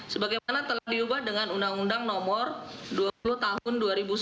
sebagaimana telah diubah dengan undang undang nomor dua puluh tahun dua ribu sembilan